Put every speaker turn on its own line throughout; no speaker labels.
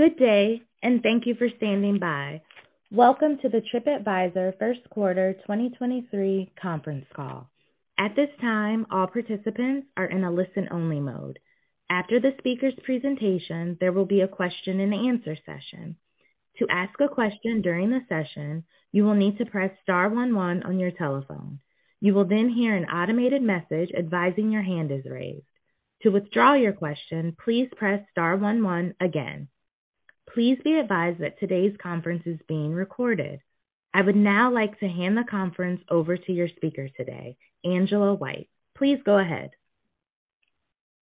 Good day, and thank you for standing by. Welcome to the TripAdvisor First Quarter 2023 conference call. At this time, all participants are in a listen-only mode. After the speaker's presentation, there will be a question-and-answer session. To ask a question during the session, you will need to press star one one on your telephone. You will then hear an automated message advising your hand is raised. To withdraw your question, please press star one one again. Please be advised that today's conference is being recorded. I would now like to hand the conference over to your speaker today, Angela White. Please go ahead.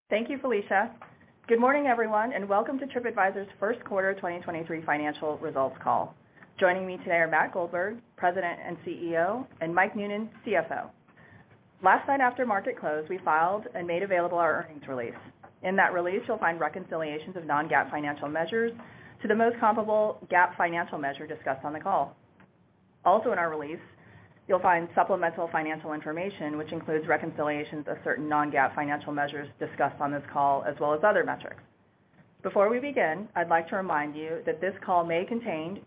Thank you, Felicia. Good morning, everyone. Welcome to TripAdvisor's first quarter 2023 financial results call. Joining me today are Matt Goldberg, President and CEO, and Mike Noonan, CFO. Last night after market close, we filed and made available our earnings release. In that release, you'll find reconciliations of non-GAAP financial measures to the most comparable GAAP financial measure discussed on the call. In our release, you'll find supplemental financial information, which includes reconciliations of certain non-GAAP financial measures discussed on this call, as well as other metrics. Before we begin, I'd like to remind you that this call may contain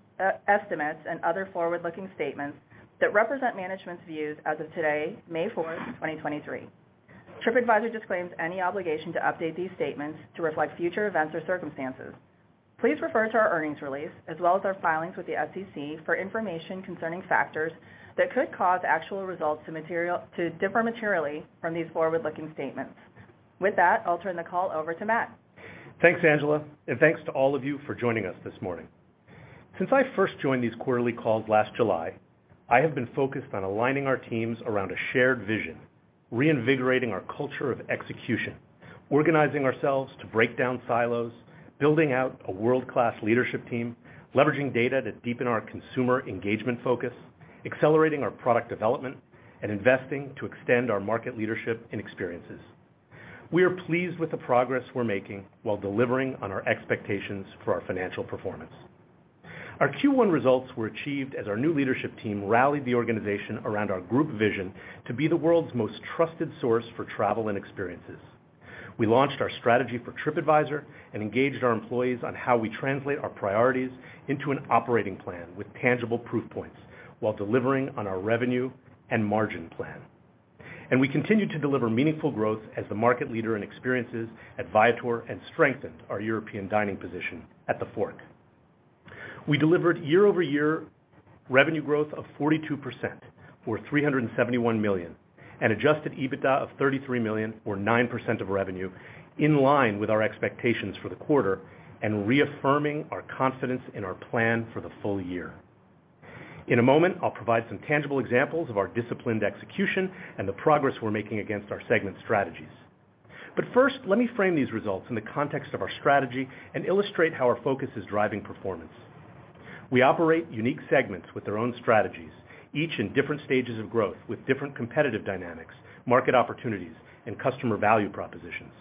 estimates and other forward-looking statements that represent management's views as of today, May 4th, 2023. TripAdvisor disclaims any obligation to update these statements to reflect future events or circumstances. Please refer to our earnings release, as well as our filings with the SEC for information concerning factors that could cause actual results to differ materially from these forward-looking statements. With that, I'll turn the call over to Matt.
Thanks, Angela. Thanks to all of you for joining us this morning. Since I first joined these quarterly calls last July, I have been focused on aligning our teams around a shared vision, reinvigorating our culture of execution, organizing ourselves to break down silos, building out a world-class leadership team, leveraging data to deepen our consumer engagement focus, accelerating our product development, and investing to extend our market leadership in experiences. We are pleased with the progress we're making while delivering on our expectations for our financial performance. Our Q1 results were achieved as our new leadership team rallied the organization around our group vision to be the world's most trusted source for travel and experiences. We launched our strategy for TripAdvisor and engaged our employees on how we translate our priorities into an operating plan with tangible proof points while delivering on our revenue and margin plan. We continued to deliver meaningful growth as the market leader in experiences at Viator and strengthened our European dining position at TheFork. We delivered year-over-year revenue growth of 42%, or $371 million, and adjusted EBITDA of $33 million, or 9% of revenue, in line with our expectations for the quarter and reaffirming our confidence in our plan for the full year. In a moment, I'll provide some tangible examples of our disciplined execution and the progress we're making against our segment strategies. First, let me frame these results in the context of our strategy and illustrate how our focus is driving performance. We operate unique segments with their own strategies, each in different stages of growth with different competitive dynamics, market opportunities, and customer value propositions.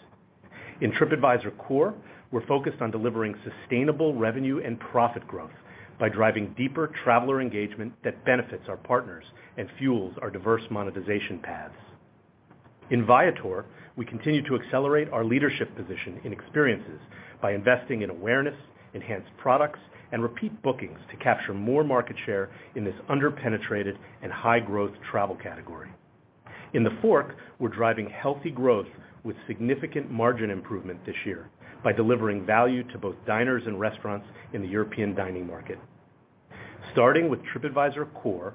In TripAdvisor Core, we're focused on delivering sustainable revenue and profit growth by driving deeper traveler engagement that benefits our partners and fuels our diverse monetization paths. In Viator, we continue to accelerate our leadership position in experiences by investing in awareness, enhanced products, and repeat bookings to capture more market share in this under-penetrated and high-growth travel category. In TheFork, we're driving healthy growth with significant margin improvement this year by delivering value to both diners and restaurants in the European dining market. Starting with TripAdvisor Core,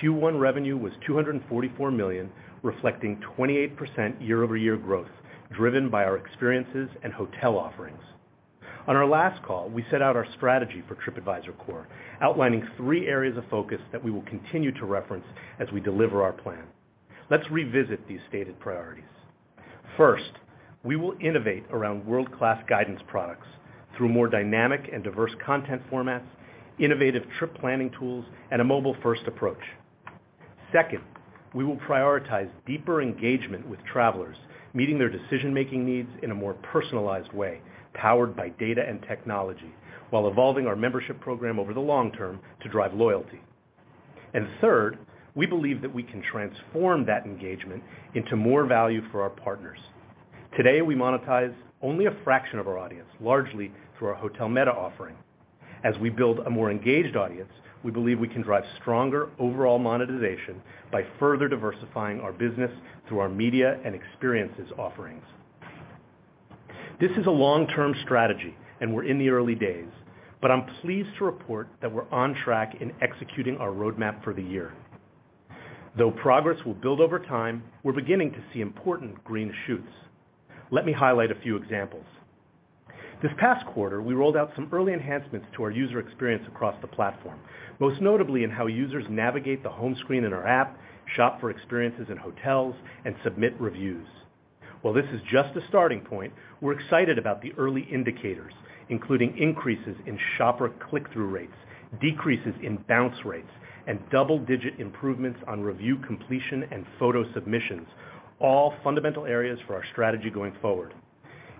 Q1 revenue was $244 million, reflecting 28% year-over-year growth, driven by our experiences and hotel offerings. On our last call, we set out our strategy for TripAdvisor Core, outlining three areas of focus that we will continue to reference as we deliver our plan. Let's revisit these stated priorities. First, we will innovate around world-class guidance products through more dynamic and diverse content formats, innovative trip planning tools, and a mobile-first approach. Second, we will prioritize deeper engagement with travelers, meeting their decision-making needs in a more personalized way, powered by data and technology, while evolving our membership program over the long term to drive loyalty. Third, we believe that we can transform that engagement into more value for our partners. Today, we monetize only a fraction of our audience, largely through our hotel meta offering. As we build a more engaged audience, we believe we can drive stronger overall monetization by further diversifying our business through our media and experiences offerings. This is a long-term strategy, and we're in the early days, but I'm pleased to report that we're on track in executing our roadmap for the year. Though progress will build over time, we're beginning to see important green shoots. Let me highlight a few examples. This past quarter, we rolled out some early enhancements to our user experience across the platform, most notably in how users navigate the home screen in our app, shop for experiences in hotels, and submit reviews. While this is just a starting point, we're excited about the early indicators, including increases in shopper click-through rates, decreases in bounce rates, and double-digit improvements on review completion and photo submissions, all fundamental areas for our strategy going forward.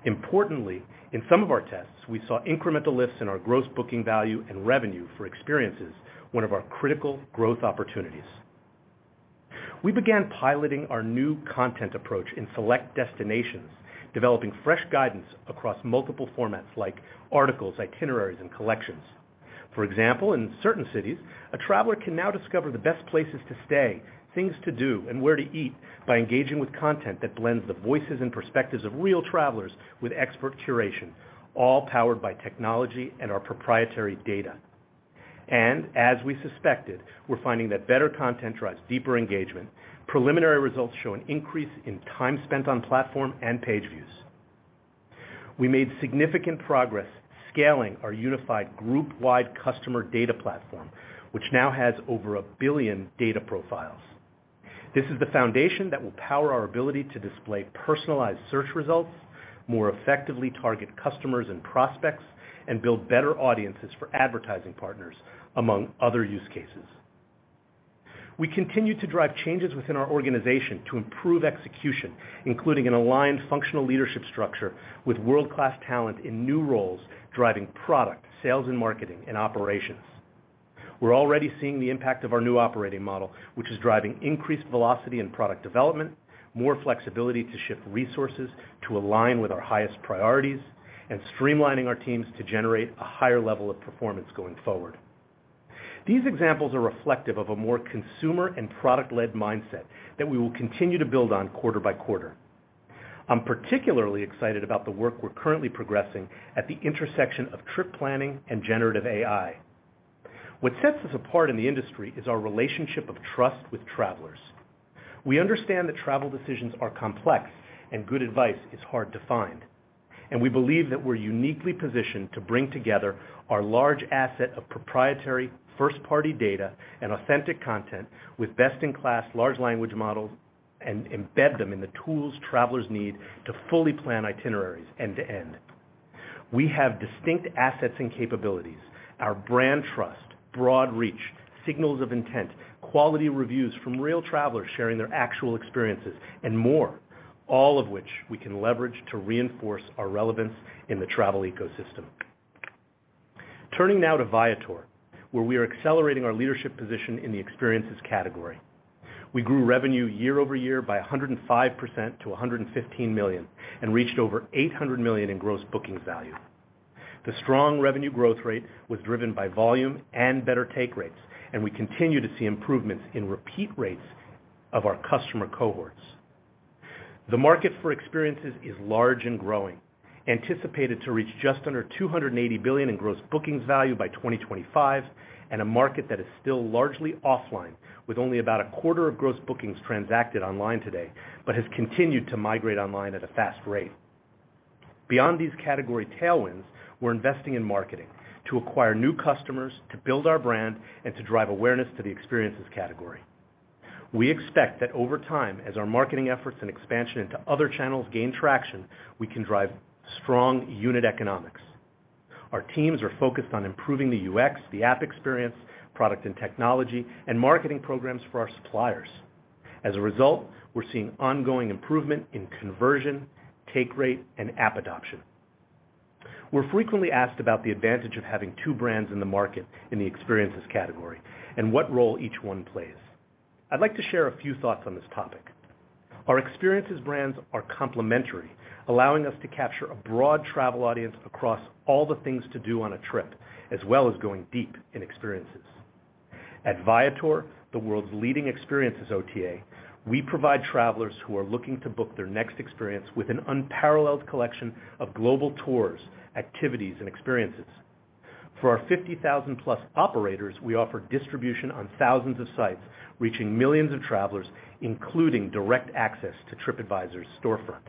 Importantly, in some of our tests, we saw incremental lifts in our Gross Booking Value and revenue for experiences, one of our critical growth opportunities. We began piloting our new content approach in select destinations, developing fresh guidance across multiple formats like articles, itineraries, and collections. For example, in certain cities, a traveler can now discover the best places to stay, things to do, and where to eat by engaging with content that blends the voices and perspectives of real travelers with expert curation, all powered by technology and our proprietary data. As we suspected, we're finding that better content drives deeper engagement. Preliminary results show an increase in time spent on platform and page views. We made significant progress scaling our unified group-wide customer data platform, which now has over 1 billion data profiles. This is the foundation that will power our ability to display personalized search results, more effectively target customers and prospects, and build better audiences for advertising partners, among other use cases. We continue to drive changes within our organization to improve execution, including an aligned functional leadership structure with world-class talent in new roles, driving product, sales and marketing, and operations. We're already seeing the impact of our new operating model, which is driving increased velocity in product development, more flexibility to shift resources to align with our highest priorities, and streamlining our teams to generate a higher level of performance going forward. These examples are reflective of a more consumer and product-led mindset that we will continue to build on quarter-by-quarter. I'm particularly excited about the work we're currently progressing at the intersection of trip planning and generative AI. What sets us apart in the industry is our relationship of trust with travelers. We understand that travel decisions are complex and good advice is hard to find. We believe that we're uniquely positioned to bring together our large asset of proprietary first-party data and authentic content with best-in-class large language models and embed them in the tools travelers need to fully plan itineraries end to end. We have distinct assets and capabilities. Our brand trust, broad reach, signals of intent, quality reviews from real travelers sharing their actual experiences, and more, all of which we can leverage to reinforce our relevance in the travel ecosystem. Turning now to Viator, where we are accelerating our leadership position in the experiences category. We grew revenue year-over-year by 105% to $115 million and reached over $800 million in gross bookings value. The strong revenue growth rate was driven by volume and better take rates, and we continue to see improvements in repeat rates of our customer cohorts. The market for experiences is large and growing, anticipated to reach just under $280 billion in gross bookings value by 2025, a market that is still largely offline, with only about a quarter of gross bookings transacted online today, but has continued to migrate online at a fast rate. Beyond these category tailwinds, we're investing in marketing to acquire new customers, to build our brand, and to drive awareness to the experiences category. We expect that over time, as our marketing efforts and expansion into other channels gain traction, we can drive strong unit economics. Our teams are focused on improving the UX, the app experience, product and technology, and marketing programs for our suppliers. As a result, we're seeing ongoing improvement in conversion, take rate, and app adoption. We're frequently asked about the advantage of having two brands in the market in the experiences category and what role each one plays. I'd like to share a few thoughts on this topic. Our experiences brands are complementary, allowing us to capture a broad travel audience across all the things to do on a trip, as well as going deep in experiences. At Viator, the world's leading experiences OTA, we provide travelers who are looking to book their next experience with an unparalleled collection of global tours, activities, and experiences. For our 50,000+ operators, we offer distribution on thousands of sites, reaching millions of travelers, including direct access to Tripadvisor's storefront.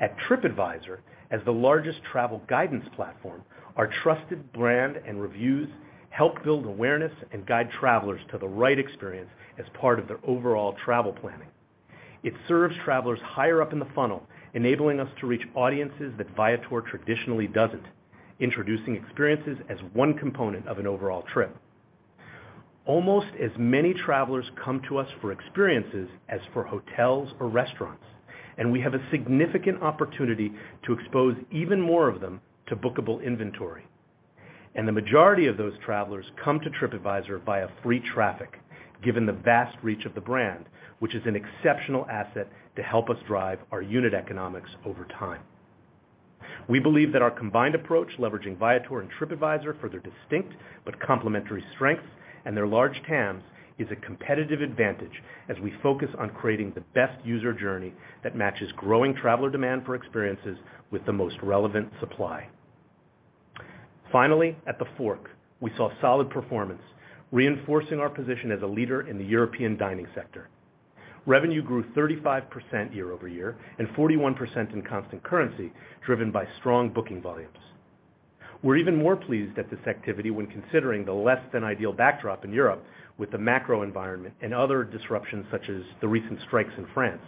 At Tripadvisor, as the largest travel guidance platform, our trusted brand and reviews help build awareness and guide travelers to the right experience as part of their overall travel planning. It serves travelers higher up in the funnel, enabling us to reach audiences that Viator traditionally doesn't, introducing experiences as one component of an overall trip. Almost as many travelers come to us for experiences as for hotels or restaurants, and we have a significant opportunity to expose even more of them to bookable inventory. The majority of those travelers come to Tripadvisor via free traffic, given the vast reach of the brand, which is an exceptional asset to help us drive our unit economics over time. We believe that our combined approach, leveraging Viator and TripAdvisor for their distinct but complementary strengths and their large TAMs, is a competitive advantage as we focus on creating the best user journey that matches growing traveler demand for experiences with the most relevant supply. Finally, at TheFork, we saw solid performance, reinforcing our position as a leader in the European dining sector. Revenue grew 35% year-over-year and 41% in constant currency, driven by strong booking volumes. We're even more pleased at this activity when considering the less than ideal backdrop in Europe with the macro environment and other disruptions such as the recent strikes in France.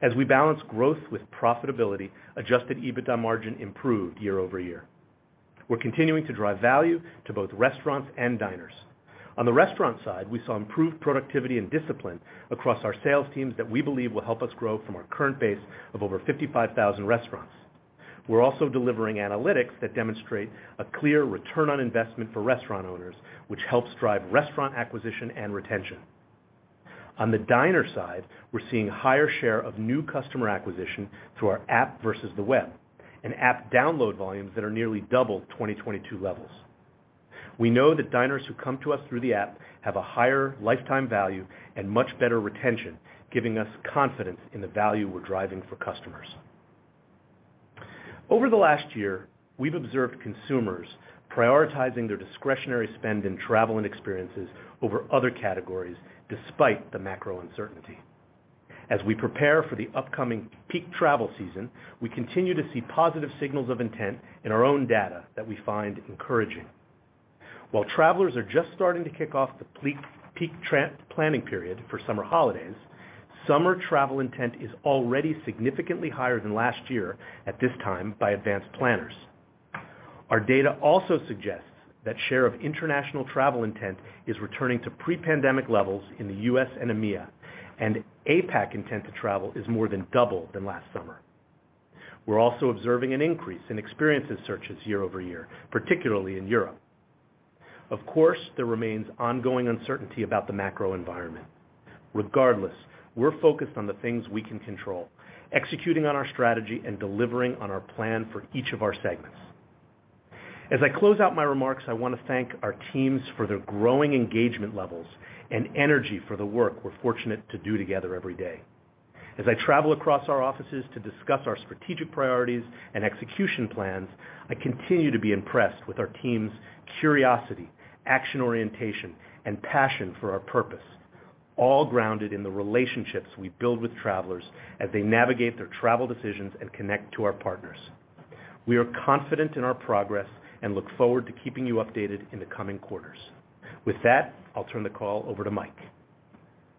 As we balance growth with profitability, adjusted EBITDA margin improved year-over-year. We're continuing to drive value to both restaurants and diners. On the restaurant side, we saw improved productivity and discipline across our sales teams that we believe will help us grow from our current base of over 55,000 restaurants. We're also delivering analytics that demonstrate a clear return on investment for restaurant owners, which helps drive restaurant acquisition and retention. On the diner side, we're seeing higher share of new customer acquisition through our app versus the web, and app download volumes that are nearly double 2022 levels. We know that diners who come to us through the app have a higher lifetime value and much better retention, giving us confidence in the value we're driving for customers. Over the last year, we've observed consumers prioritizing their discretionary spend in travel and experiences over other categories despite the macro uncertainty. As we prepare for the upcoming peak travel season, we continue to see positive signals of intent in our own data that we find encouraging. While travelers are just starting to kick off the peak planning period for summer holidays, summer travel intent is already significantly higher than last year at this time by advanced planners. Our data also suggests that share of international travel intent is returning to pre-pandemic levels in the U.S. and EMEA, and APAC intent to travel is more than double than last summer. We're also observing an increase in experiences searches year-over-year, particularly in Europe. Of course, there remains ongoing uncertainty about the macro environment. Regardless, we're focused on the things we can control, executing on our strategy and delivering on our plan for each of our segments. As I close out my remarks, I want to thank our teams for their growing engagement levels and energy for the work we're fortunate to do together every day. As I travel across our offices to discuss our strategic priorities and execution plans, I continue to be impressed with our team's curiosity, action orientation, and passion for our purpose, all grounded in the relationships we build with travelers as they navigate their travel decisions and connect to our partners. We are confident in our progress and look forward to keeping you updated in the coming quarters. With that, I'll turn the call over to Mike.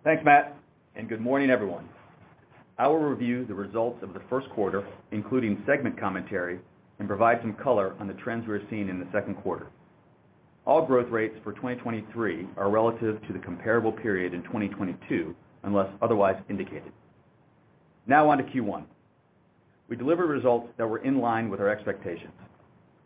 Thanks, Matt, and good morning, everyone. I will review the results of the first quarter, including segment commentary, and provide some color on the trends we are seeing in the second quarter. All growth rates for 2023 are relative to the comparable period in 2022, unless otherwise indicated. Now on to Q1. We delivered results that were in line with our expectations.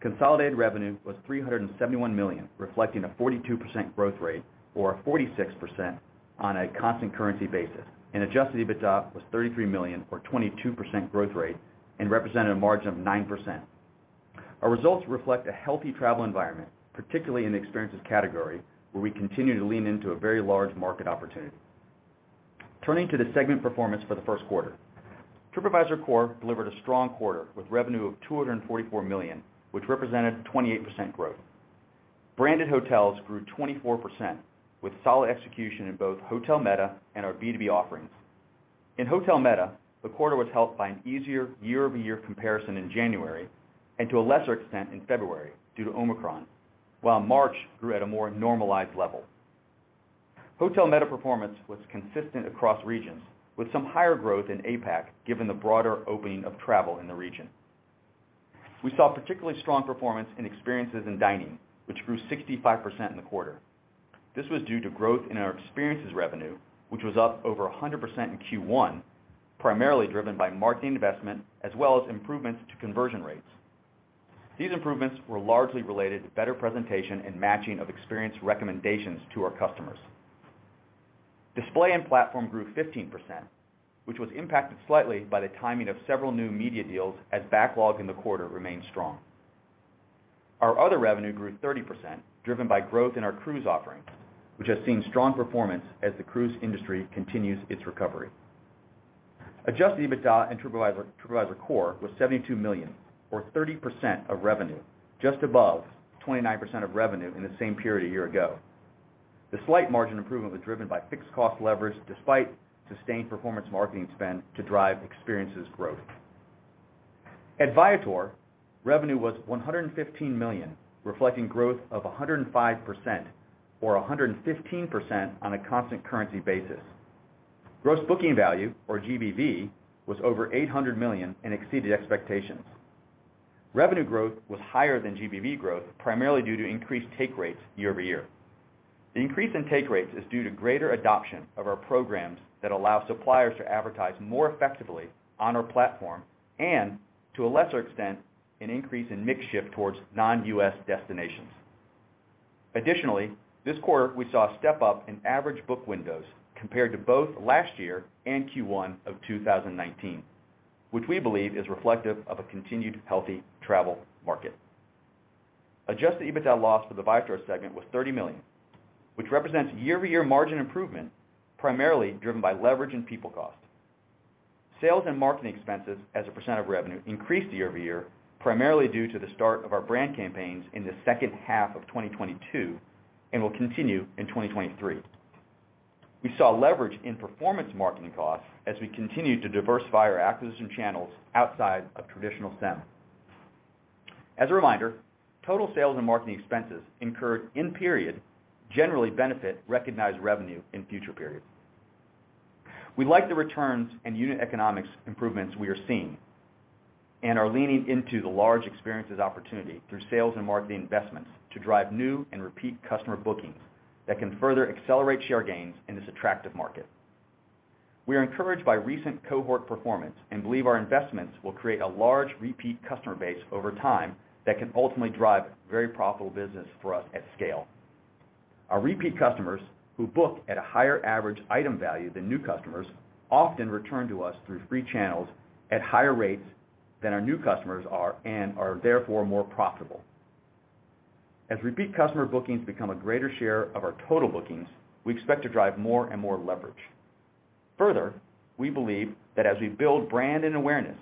Consolidated revenue was $371 million, reflecting a 42% growth rate or a 46% on a constant currency basis, and adjusted EBITDA was $33 million or 22% growth rate and represented a margin of 9%. Our results reflect a healthy travel environment, particularly in the experiences category, where we continue to lean into a very large market opportunity. Turning to the segment performance for the first quarter. TripAdvisor Core delivered a strong quarter, with revenue of $244 million, which represented 28% growth. Branded hotels grew 24%, with solid execution in both Hotel Meta and our B2B offerings. In Hotel Meta, the quarter was helped by an easier year-over-year comparison in January and to a lesser extent in February due to Omicron, while March grew at a more normalized level. Hotel Meta performance was consistent across regions, with some higher growth in APAC, given the broader opening of travel in the region. We saw particularly strong performance in experiences in dining, which grew 65% in the quarter. This was due to growth in our experiences revenue, which was up over 100% in Q1, primarily driven by marketing investment, as well as improvements to conversion rates. These improvements were largely related to better presentation and matching of experience recommendations to our customers. Display and platform grew 15%, which was impacted slightly by the timing of several new media deals as backlog in the quarter remained strong. Our other revenue grew 30%, driven by growth in our cruise offerings, which has seen strong performance as the cruise industry continues its recovery. Adjusted EBITDA in TripAdvisor Core was $72 million or 30% of revenue, just above 29% of revenue in the same period a year ago. The slight margin improvement was driven by fixed cost leverage despite sustained performance marketing spend to drive experiences growth. At Viator, revenue was $115 million, reflecting growth of 105% or 115% on a constant currency basis. Gross Booking Value, or GBV, was over $800 million and exceeded expectations. Revenue growth was higher than GBV growth, primarily due to increased take rates year-over-year. The increase in take rates is due to greater adoption of our programs that allow suppliers to advertise more effectively on our platform and, to a lesser extent, an increase in mix shift towards non-U.S. destinations. Additionally, this quarter, we saw a step-up in average book windows compared to both last year and Q1 of 2019, which we believe is reflective of a continued healthy travel market. Adjusted EBITDA loss for the Viator segment was $30 million, which represents year-over-year margin improvement, primarily driven by leverage in people cost. Sales and marketing expenses as a percent of revenue increased year-over-year, primarily due to the start of our brand campaigns in the second half of 2022 and will continue in 2023. We saw leverage in performance marketing costs as we continued to diversify our acquisition channels outside of traditional SEM. As a reminder, total sales and marketing expenses incurred in period generally benefit recognized revenue in future periods. We like the returns and unit economics improvements we are seeing and are leaning into the large experiences opportunity through sales and marketing investments to drive new and repeat customer bookings that can further accelerate share gains in this attractive market. We are encouraged by recent cohort performance and believe our investments will create a large repeat customer base over time that can ultimately drive very profitable business for us at scale. Our repeat customers, who book at a higher average item value than new customers, often return to us through free channels at higher rates than our new customers are, and are therefore more profitable. As repeat customer bookings become a greater share of our total bookings, we expect to drive more and more leverage. Further, we believe that as we build brand and awareness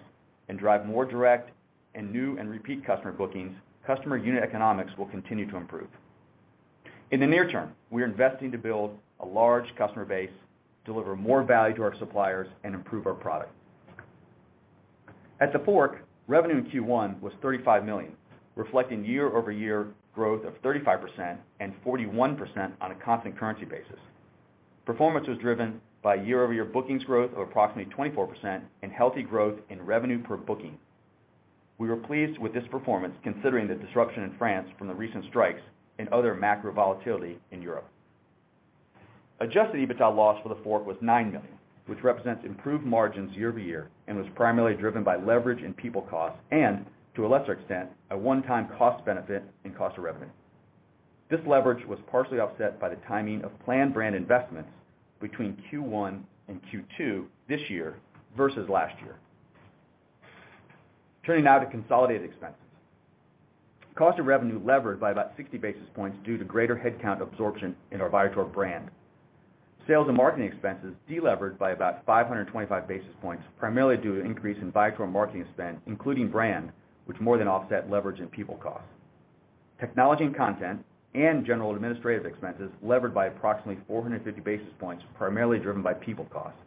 and drive more direct and new and repeat customer bookings, customer unit economics will continue to improve. In the near term, we are investing to build a large customer base, deliver more value to our suppliers, and improve our product. At TheFork, revenue in Q1 was $35 million, reflecting year-over-year growth of 35% and 41% on a constant currency basis. Performance was driven by year-over-year bookings growth of approximately 24% and healthy growth in revenue per booking. We were pleased with this performance considering the disruption in France from the recent strikes and other macro volatility in Europe. Adjusted EBITDA loss for TheFork was $9 million, which represents improved margins year-over-year and was primarily driven by leverage in people costs and to a lesser extent, a one-time cost benefit in cost of revenue. This leverage was partially offset by the timing of planned brand investments between Q1 and Q2 this year versus last year. Turning now to consolidated expenses. Cost of revenue levered by about 60 basis points due to greater headcount absorption in our Viator brand. Sales and marketing expenses delevered by about 525 basis points, primarily due to an increase in Viator marketing spend, including brand, which more than offset leverage in people costs. Technology and content and general administrative expenses levered by approximately 450 basis points, primarily driven by people costs.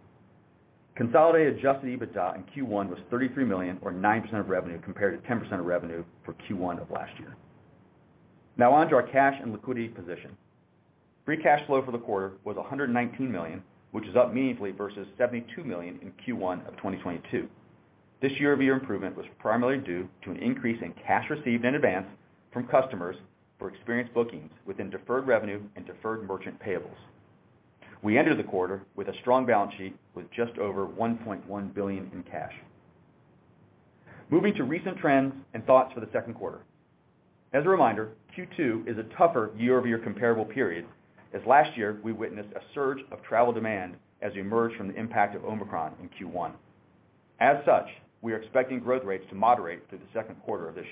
Consolidated adjusted EBITDA in Q1 was $33 million or 9% of revenue compared to 10% of revenue for Q1 of last year. On to our cash and liquidity position. Free cash flow for the quarter was $119 million, which is up meaningfully versus $72 million in Q1 of 2022. This year-over-year improvement was primarily due to an increase in cash received in advance from customers for experience bookings within deferred revenue and deferred merchant payables. We entered the quarter with a strong balance sheet with just over $1.1 billion in cash. Moving to recent trends and thoughts for the second quarter. As a reminder, Q2 is a tougher year-over-year comparable period, as last year we witnessed a surge of travel demand as we emerged from the impact of Omicron in Q1. We are expecting growth rates to moderate through the second quarter of this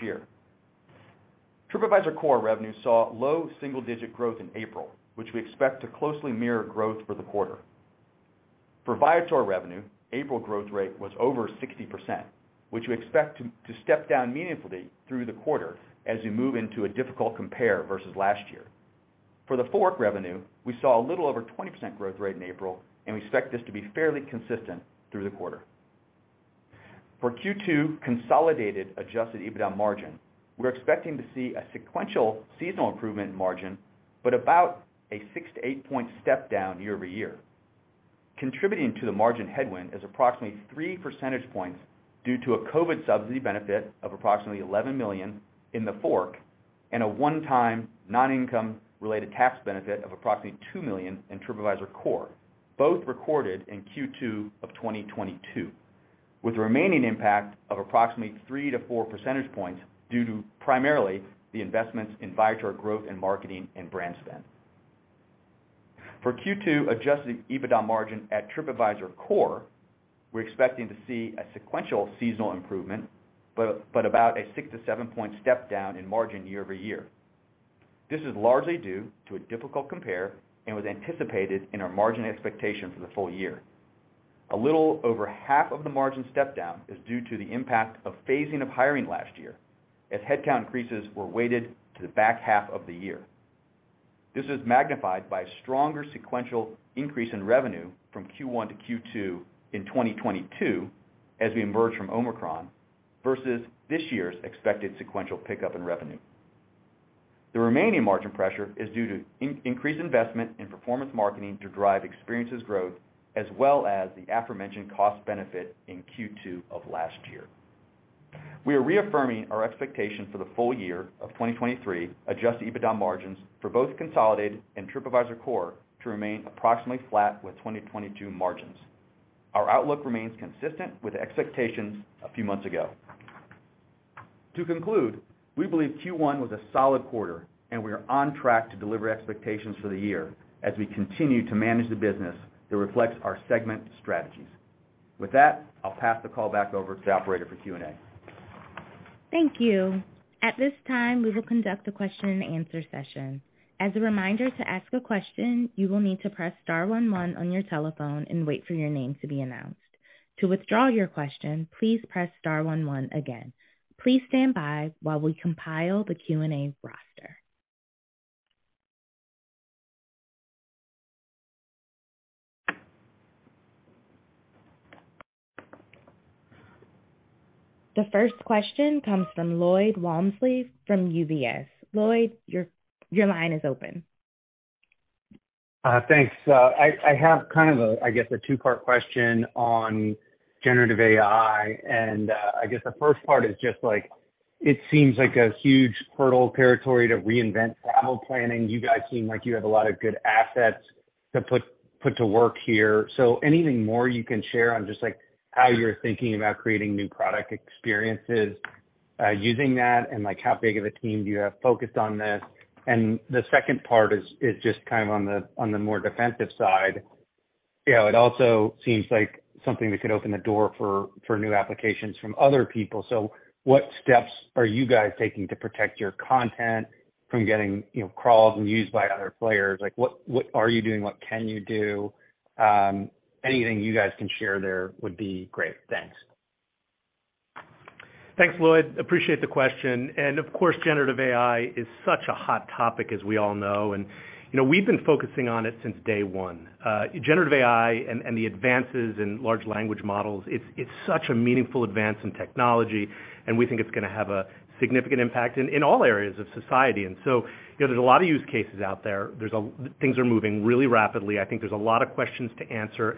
year. TripAdvisor Core revenue saw low single-digit growth in April, which we expect to closely mirror growth for the quarter. For Viator revenue, April growth rate was over 60%, which we expect to step down meaningfully through the quarter as we move into a difficult compare versus last year. For TheFork revenue, we saw a little over 20% growth rate in April, and we expect this to be fairly consistent through the quarter. For Q2 consolidated adjusted EBITDA margin, we're expecting to see a sequential seasonal improvement in margin, but about a 6-8 point step down year-over-year. Contributing to the margin headwind is approximately 3 percentage points due to a COVID subsidy benefit of approximately $11 million in TheFork and a one-time non-income related tax benefit of approximately $2 million in TripAdvisor Core, both recorded in Q2 of 2022, with remaining impact of approximately 3-4 percentage points due to primarily the investments in Viator growth and marketing and brand spend. For Q2 adjusted EBITDA margin at TripAdvisor Core, we're expecting to see a sequential seasonal improvement, but about a 6-7 point step down in margin year-over-year. This is largely due to a difficult compare and was anticipated in our margin expectation for the full year. A little over half of the margin step down is due to the impact of phasing of hiring last year, as headcount increases were weighted to the back half of the year. This is magnified by a stronger sequential increase in revenue from Q1 to Q2 in 2022 as we emerge from Omicron versus this year's expected sequential pickup in revenue. The remaining margin pressure is due to increased investment in performance marketing to drive experiences growth as well as the aforementioned cost benefit in Q2 of last year. We are reaffirming our expectation for the full year of 2023 adjusted EBITDA margins for both consolidated and TripAdvisor Core to remain approximately flat with 2022 margins. Our outlook remains consistent with expectations a few months ago. To conclude, we believe Q1 was a solid quarter and we are on track to deliver expectations for the year as we continue to manage the business that reflects our segment strategies. With that, I'll pass the call back over to the operator for Q&A.
Thank you. At this time, we will conduct a question and answer session. As a reminder to ask a question, you will need to press star one one on your telephone and wait for your name to be announced. To withdraw your question, please press star one one again. Please stand by while we compile the Q&A roster. The first question comes from Lloyd Walmsley from UBS. Lloyd, your line is open.
Thanks. I have kind of a, I guess, a two-part question on generative AI. I guess the first part is just like It seems like a huge hurdle territory to reinvent travel planning. You guys seem like you have a lot of good assets to put to work here. Anything more you can share on just like how you're thinking about creating new product experiences, using that and like how big of a team do you have focused on this? The second part is just kind of on the more defensive side. You know, it also seems like something that could open the door for new applications from other people. What steps are you guys taking to protect your content from getting, you know, crawled and used by other players? Like, what are you doing? What can you do? Anything you guys can share there would be great.
Thanks, Lloyd. Appreciate the question. Of course, generative AI is such a hot topic, as we all know, and, you know, we've been focusing on it since day one. Generative AI and the advances in large language models, it's such a meaningful advance in technology, and we think it's gonna have a significant impact in all areas of society. You know, there's a lot of use cases out there. Things are moving really rapidly. I think there's a lot of questions to answer.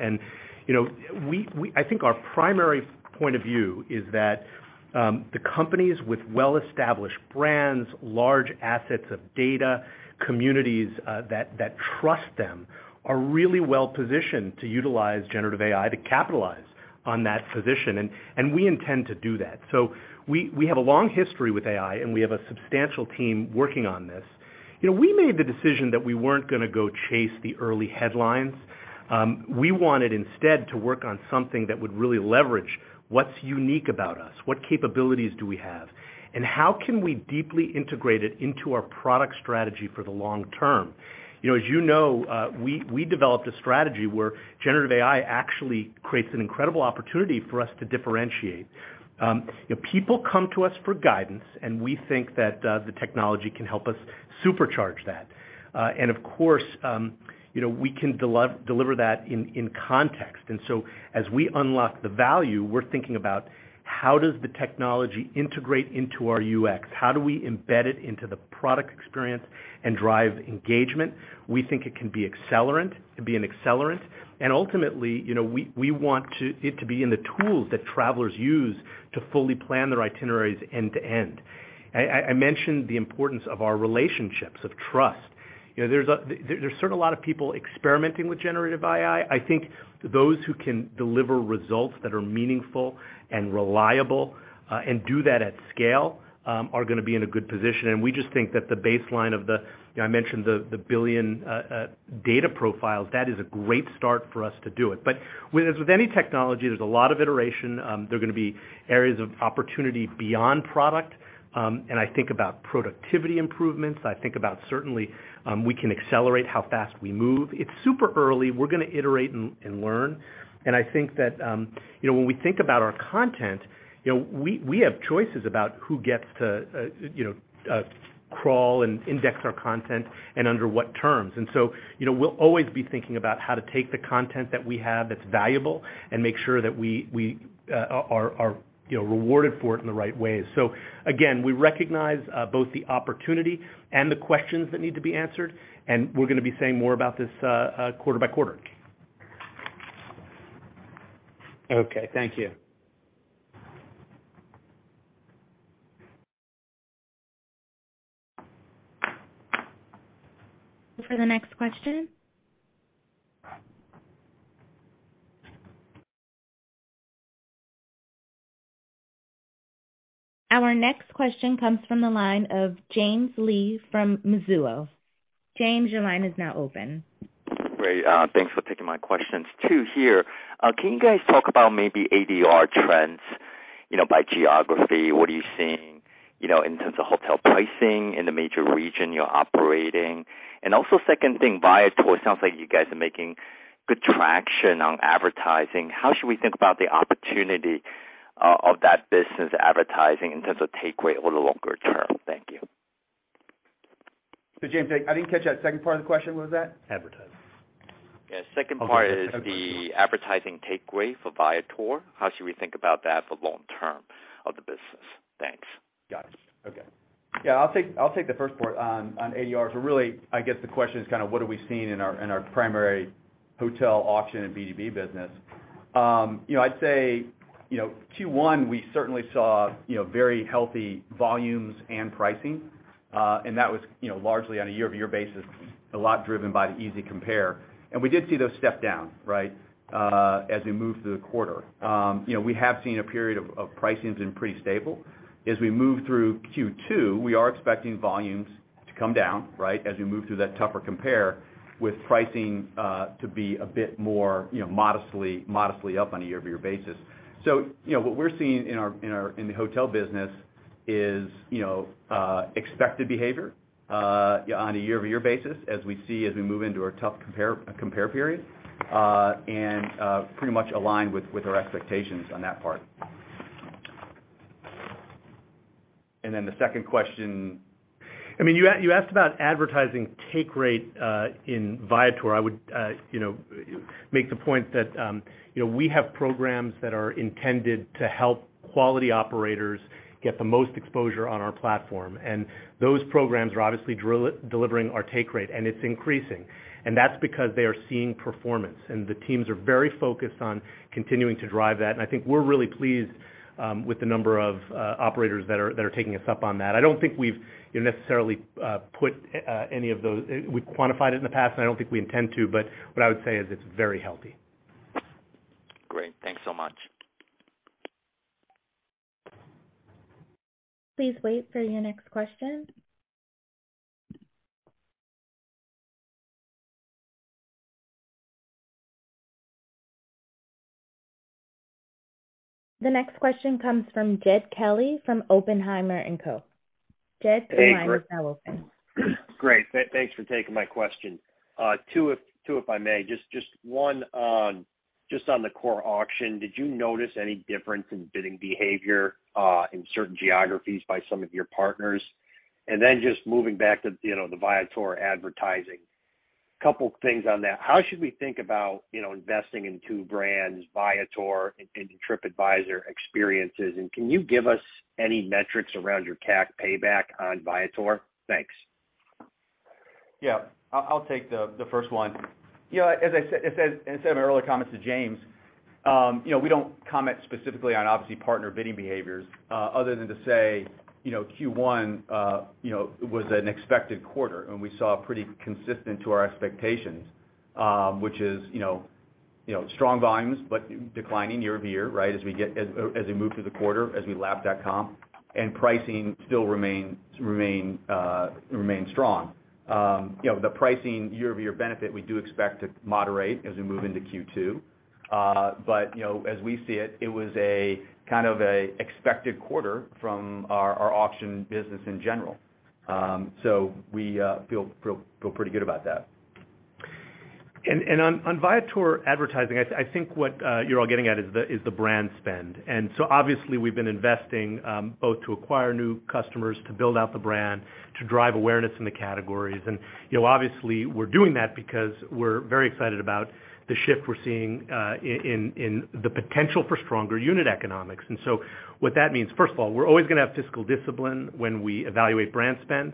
You know, we I think our primary point of view is that the companies with well-established brands, large assets of data, communities, that trust them, are really well positioned to utilize generative AI to capitalize on that position. We intend to do that. We have a long history with AI, and we have a substantial team working on this. You know, we made the decision that we weren't gonna go chase the early headlines. We wanted instead to work on something that would really leverage what's unique about us, what capabilities do we have, and how can we deeply integrate it into our product strategy for the long term. You know, as you know, we developed a strategy where generative AI actually creates an incredible opportunity for us to differentiate. You know, people come to us for guidance, and we think that the technology can help us supercharge that. Of course, you know, we can deliver that in context. As we unlock the value, we're thinking about how does the technology integrate into our UX? How do we embed it into the product experience and drive engagement? We think it can be an accelerant. Ultimately, you know, we want it to be in the tools that travelers use to fully plan their itineraries end to end. I mentioned the importance of our relationships of trust. You know, there's certainly a lot of people experimenting with generative AI. I think those who can deliver results that are meaningful and reliable and do that at scale are gonna be in a good position. We just think that the baseline of the, you know, I mentioned the 1 billion data profiles, that is a great start for us to do it. With, as with any technology, there's a lot of iteration. There are gonna be areas of opportunity beyond product. I think about productivity improvements. I think about certainly, we can accelerate how fast we move. It's super early. We're gonna iterate and learn. I think that, you know, when we think about our content, you know, we have choices about who gets to, you know, crawl and index our content and under what terms. So, you know, we'll always be thinking about how to take the content that we have that's valuable and make sure that we are, you know, rewarded for it in the right ways. So again, we recognize both the opportunity and the questions that need to be answered, and we're gonna be saying more about this quarter-by-quarter.
Okay. Thank you.
For the next question. Our next question comes from the line of James Lee from Mizuho. James, your line is now open.
Great. thanks for taking my questions. Two here. can you guys talk about maybe ADR trends, you know, by geography? What are you seeing, you know, in terms of hotel pricing in the major region you're operating? Also second thing, Viator, it sounds like you guys are making good traction on advertising. How should we think about the opportunity, of that business advertising in terms of take rate over the longer term? Thank you.
James, I didn't catch that second part of the question. What was that? Advertising.
Yeah. Second part is the advertising take rate for Viator. How should we think about that for long term of the business? Thanks.
Got it. Okay. Yeah, I'll take, I'll take the first part on ADR. Really, I guess the question is kind of what are we seeing in our, in our primary hotel auction and B2B business. you know, I'd say, you know, Q1, we certainly saw, you know, very healthy volumes and pricing, and that was, you know, largely on a year-over-year basis, a lot driven by the easy compare. We did see those step down, right, as we moved through the quarter. you know, we have seen a period of pricing's been pretty stable. As we move through Q2, we are expecting volumes to come down, right, as we move through that tougher compare with pricing, to be a bit more, you know, modestly up on a year-over-year basis. You know, what we're seeing in the hotel business is, you know, expected behavior on a year-over-year basis as we see as we move into our tough compare period, and pretty much aligned with our expectations on that part. Then the second question, I mean, you asked about advertising take rate in Viator. I would, you know, make the point that, you know, we have programs that are intended to help quality operators get the most exposure on our platform. Those programs are obviously delivering our take rate, and it's increasing. That's because they are seeing performance, and the teams are very focused on continuing to drive that. I think we're really pleased with the number of operators that are taking us up on that. I don't think we've necessarily put. We've quantified it in the past, and I don't think we intend to, but what I would say is it's very healthy.
Great. Thanks so much.
Please wait for your next question. The next question comes from Jed Kelly from Oppenheimer and Co. Jed, your line is now open.
Great. Thanks for taking my question. Two if I may. Just one on the core auction, did you notice any difference in bidding behavior in certain geographies by some of your partners? Just moving back to, you know, the Viator advertising, couple things on that. How should we think about, you know, investing in two brands, Viator and TripAdvisor experiences? Can you give us any metrics around your CAC payback on Viator? Thanks.
Yeah. I'll take the first one. You know, as I said in my earlier comments to James Lee, you know, we don't comment specifically on obviously partner bidding behaviors, other than to say, Q1, you know, was an expected quarter, we saw pretty consistent to our expectations, which is, you know, strong volumes but declining year-over-year, right? As we move through the quarter, as we lap that comp, pricing still remain strong. You know, the pricing year-over-year benefit, we do expect to moderate as we move into Q2. You know, as we see it was a kind of a expected quarter from our auction business in general. We feel pretty good about that.
On Viator advertising, I think what you're all getting at is the brand spend. Obviously we've been investing both to acquire new customers, to build out the brand, to drive awareness in the categories. You know, obviously we're doing that because we're very excited about the shift we're seeing in the potential for stronger unit economics. What that means, first of all, we're always gonna have fiscal discipline when we evaluate brand spend,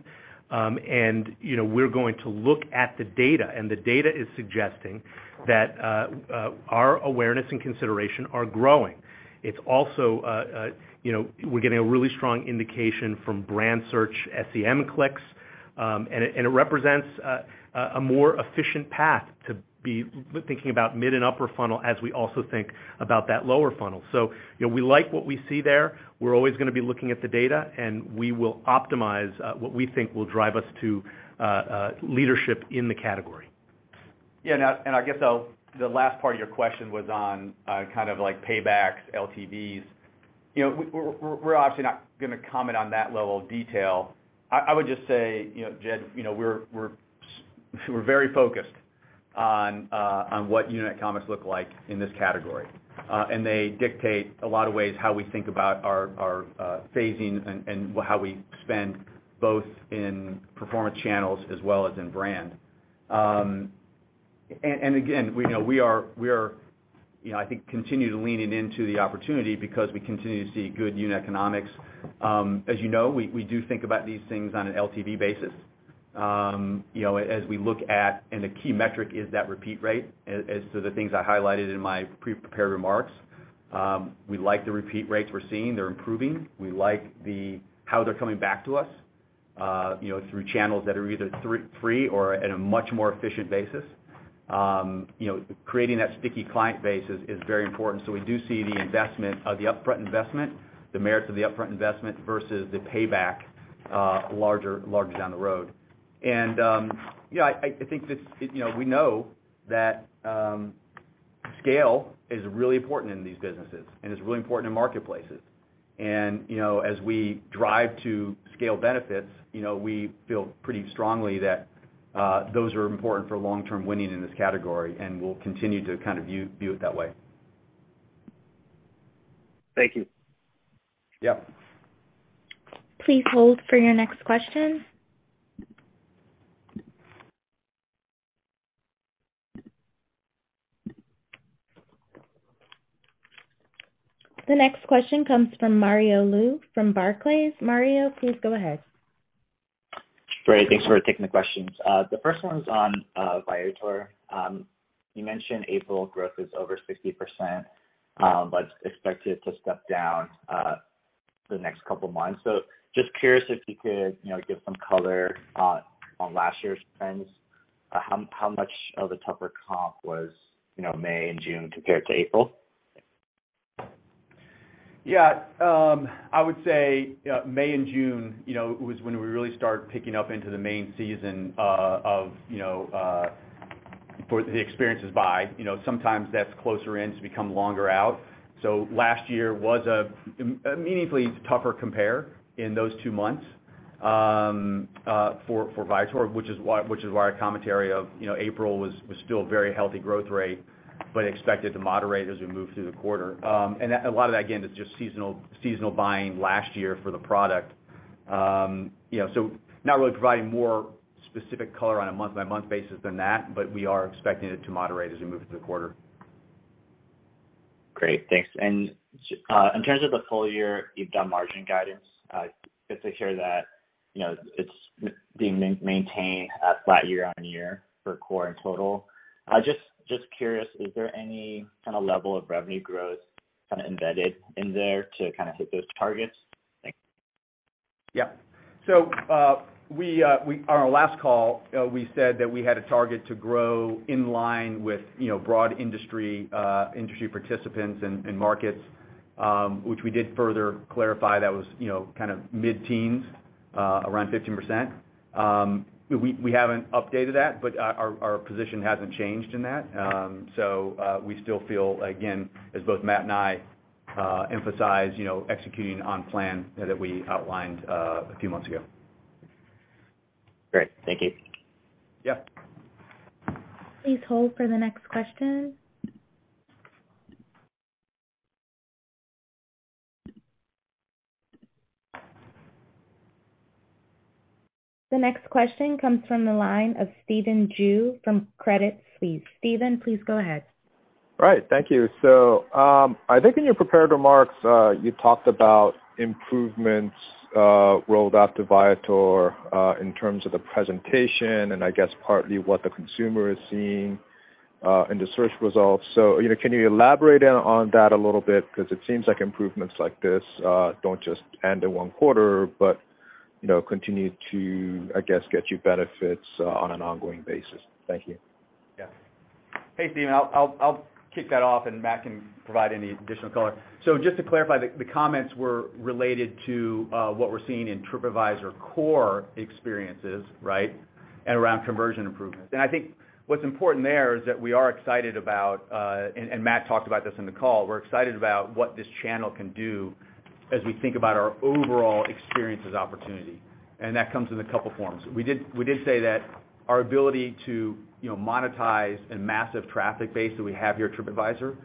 and, you know, we're going to look at the data, and the data is suggesting that our awareness and consideration are growing. It's also, you know, we're getting a really strong indication from brand search SEM clicks, and it represents a more efficient path to be thinking about mid and upper funnel as we also think about that lower funnel. You know, we like what we see there. We're always gonna be looking at the data, we will optimize what we think will drive us to leadership in the category.
Yeah. Now the last part of your question was on, kind of like paybacks, LTVs. You know, we're obviously not gonna comment on that level of detail. I would just say, you know, Jed, you know, we're very focused on what unit economics look like in this category. They dictate a lot of ways how we think about our phasing and how we spend both in performance channels as well as in brand. Again, you know, we are, you know, I think continue leaning into the opportunity because we continue to see good unit economics. As you know, we do think about these things on an LTV basis, you know, as we look at, and the key metric is that repeat rate as to the things I highlighted in my pre-prepared remarks. We like the repeat rates we're seeing. They're improving. We like how they're coming back to us, you know, through channels that are either free or at a much more efficient basis. You know, creating that sticky client base is very important. So we do see the investment, the upfront investment, the merits of the upfront investment versus the payback, larger down the road. You know, I think this, you know, we know that scale is really important in these businesses and is really important in marketplaces. You know, as we drive to scale benefits, you know, we feel pretty strongly that those are important for long-term winning in this category, and we'll continue to kind of view it that way.
Thank you.
Yeah.
Please hold for your next question. The next question comes from Mario Lu from Barclays. Mario, please go ahead.
Great. Thanks for taking the questions. The first one's on Viator. You mentioned April growth is over 60%, but expect it to step down the next couple of months. Just curious if you could, you know, give some color on last year's trends. How, how much of a tougher comp was, you know, May and June compared to April?
Yeah. I would say, May and June, you know, was when we really start picking up into the main season, of, you know, for the experiences buy. You know, sometimes that's closer in to become longer out. Last year was a meaningfully tougher compare in those two months, for Viator, which is why our commentary of, you know, April was still a very healthy growth rate but expected to moderate as we move through the quarter. A lot of that again is just seasonal buying last year for the product. You know, not really providing more specific color on a month-by-month basis than that, but we are expecting it to moderate as we move through the quarter.
Great. Thanks. In terms of the full year, you've done margin guidance. Good to hear that, you know, it's being maintained, flat year-on-year for Core and total. Just curious, is there any kind of level of revenue growth kind of embedded in there to kind of hit those targets? Thanks.
Yeah. We on our last call, we said that we had a target to grow in line with, you know, broad industry participants and markets, which we did further clarify that was, you know, kind of mid-teens, around 15%. We haven't updated that, but our position hasn't changed in that. We still feel, again, as both Matt and I emphasize, you know, executing on plan that we outlined a few months ago.
Great. Thank you.
Yeah.
Please hold for the next question. The next question comes from the line of Stephen Ju from Credit Suisse. Stephen, please go ahead.
All right. Thank you. I think in your prepared remarks, you talked about improvements rolled out to Viator in terms of the presentation, and I guess partly what the consumer is seeing in the search results. You know, can you elaborate on that a little bit? Because it seems like improvements like this don't just end in one quarter, but, you know, continue to, I guess, get you benefits on an ongoing basis. Thank you.
Yeah. Hey, Stephen. I'll kick that off, and Matt can provide any additional color. Just to clarify, the comments were related to what we're seeing in TripAdvisor Core experiences, right? Around conversion improvements. I think what's important there is that we are excited about, and Matt talked about this in the call, we're excited about what this channel can do as we think about our overall experiences opportunity. That comes in a couple forms. We did say that our ability to, you know, monetize a massive traffic base that we have here at TripAdvisor,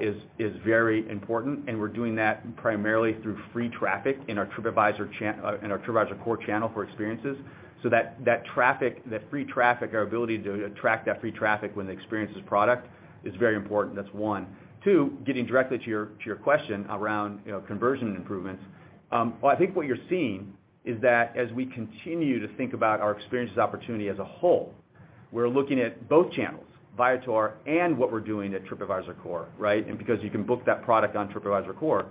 is very important, and we're doing that primarily through free traffic in our TripAdvisor Core channel for experiences. That traffic, that free traffic, our ability to attract that free traffic when the experience is product is very important. That's one. Two, getting directly to your, to your question around, you know, conversion improvements. Well, I think what you're seeing is that as we continue to think about our experiences opportunity as a whole, we're looking at both channels, Viator and what we're doing at TripAdvisor Core, right? Because you can book that product on TripAdvisor Core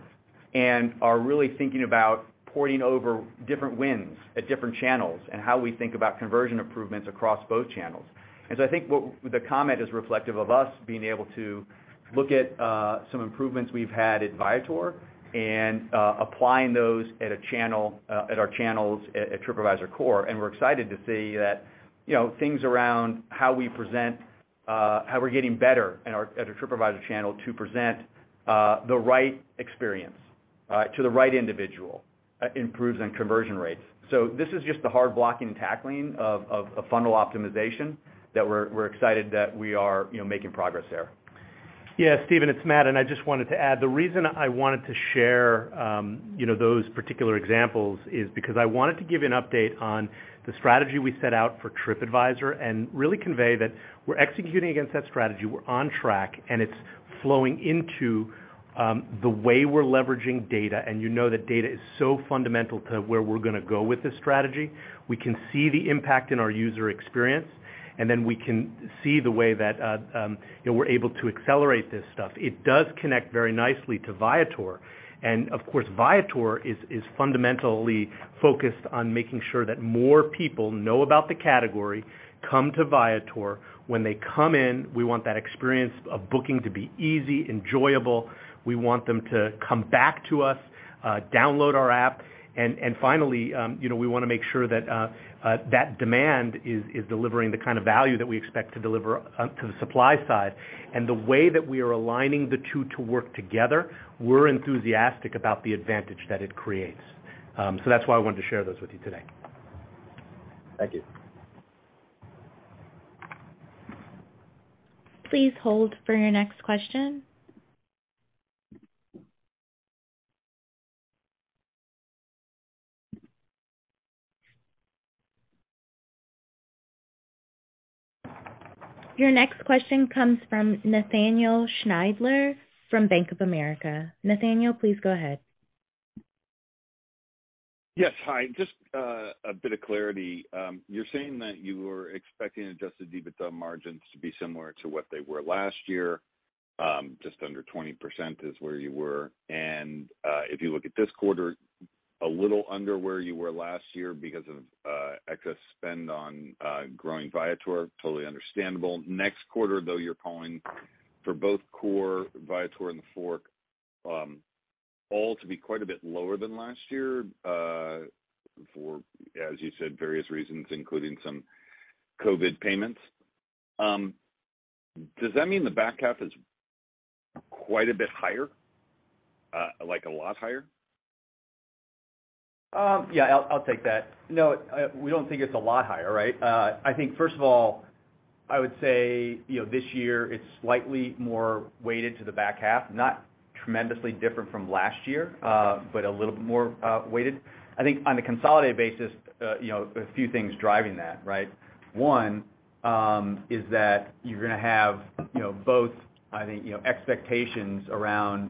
and are really thinking about porting over different wins at different channels and how we think about conversion improvements across both channels. I think what the comment is reflective of us being able to look at some improvements we've had at Viator and applying those at a channel at our channels at TripAdvisor Core. We're excited to see that, you know, things around how we present, how we're getting better at our, at our Tripadvisor channel to present the right experience, to the right individual, improves on conversion rates. This is just the hard blocking and tackling of funnel optimization that we're excited that we are, you know, making progress there.
Yeah, Stephen, it's Matt, and I just wanted to add, the reason I wanted to share, you know, those particular examples is because I wanted to give you an update on the strategy we set out for TripAdvisor and really convey that we're executing against that strategy. We're on track, and it's flowing into the way we're leveraging data, and you know that data is so fundamental to where we're gonna go with this strategy. We can see the impact in our user experience, and then we can see the way that, you know, we're able to accelerate this stuff. It does connect very nicely to Viator. Of course, Viator is fundamentally focused on making sure that more people know about the category, come to Viator. When they come in, we want that experience of booking to be easy, enjoyable. We want them to come back to us, download our app. Finally, you know, we wanna make sure that demand is delivering the kind of value that we expect to deliver to the supply side. The way that we are aligning the two to work together, we're enthusiastic about the advantage that it creates. That's why I wanted to share those with you today.
Thank you.
Please hold for your next question. Your next question comes from Nat Schindler from Bank of America. Nathaniel, please go ahead.
Yes. Hi. Just a bit of clarity. You're saying that you were expecting adjusted EBITDA margins to be similar to what they were last year, just under 20% is where you were. If you look at this quarter, a little under where you were last year because of excess spend on growing Viator, totally understandable. Next quarter, though, you're calling for both core Viator and TheFork, all to be quite a bit lower than last year, for, as you said, various reasons, including some COVID payments. Does that mean the back half is quite a bit higher? Like a lot higher?
Yeah, I'll take that. No, we don't think it's a lot higher, right? I think first of all, I would say, you know, this year it's slightly more weighted to the back half, not tremendously different from last year, but a little bit more weighted. I think on a consolidated basis, you know, a few things driving that, right? One, is that you're gonna have, you know, both, I think, you know, expectations around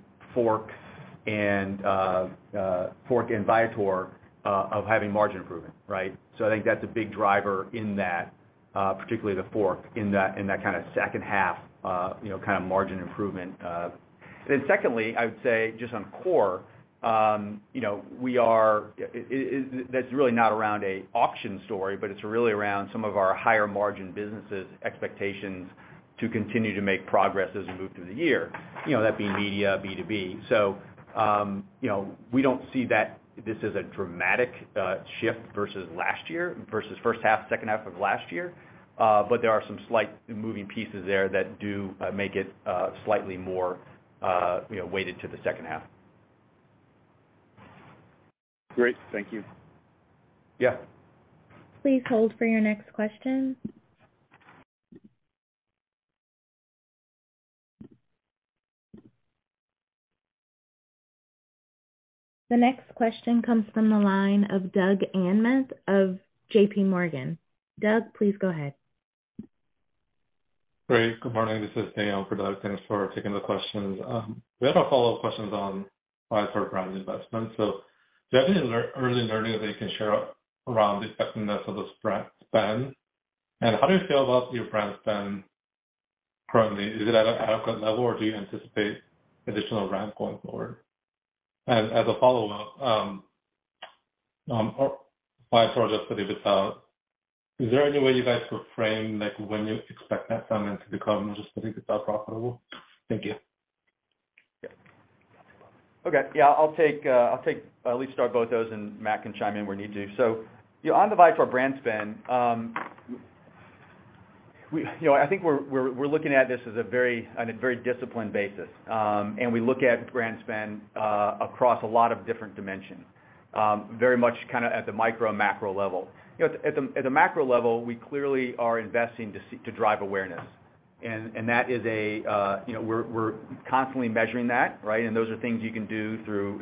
TheFork and Viator of having margin improvement, right? I think that's a big driver in that, particularly TheFork in that kind of second half, you know, kind of margin improvement. Secondly, I would say just on core, you know, that's really not around a auction story, but it's really around some of our higher margin businesses expectations to continue to make progress as we move through the year, you know, that being media, B2B. We don't see that this is a dramatic shift versus last year versus first half, second half of last year. There are some slight moving pieces there that do make it slightly more, you know, weighted to the second half.
Great. Thank you.
Yeah.
Please hold for your next question. The next question comes from the line of Doug Anmuth of JPMorgan. Doug, please go ahead.
Great. Good morning. This is Dan for Doug. Thanks for taking the questions. We had a follow-up questions on Viator brand investment. Do you have any early learning that you can share around the effectiveness of the brand spend? How do you feel about your brand spend currently? Is it at an adequate level, or do you anticipate additional brand going forward? As a follow-up, for Viator, specifically Viator, is there any way you guys could frame, like, when you expect that segment to become just specifically Viator profitable? Thank you.
Okay. Yeah. I'll at least start both those, Matt can chime in where need to. You know, on the Viator for brand spend, we, you know, I think we're looking at this on a very disciplined basis. We look at brand spend across a lot of different dimensions, very much kind of at the micro and macro level. You know, at the macro level, we clearly are investing to drive awareness. That is a, you know, we're constantly measuring that, right? Those are things you can do through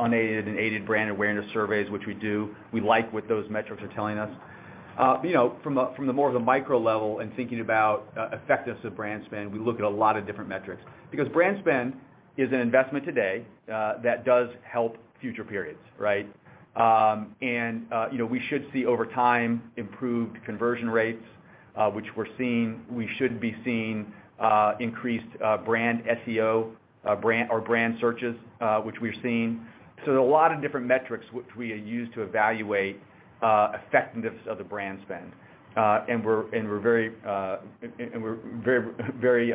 unaided and aided brand awareness surveys, which we do. We like what those metrics are telling us. You know, from the more of the micro level and thinking about, effectiveness of brand spend, we look at a lot of different metrics. Brand spend is an investment today, that does help future periods, right? And, you know, we should see over time improved conversion rates, which we're seeing. We should be seeing, increased, brand SEO, brand or brand searches, which we're seeing. There are a lot of different metrics which we use to evaluate, effectiveness of the brand spend. And we're very,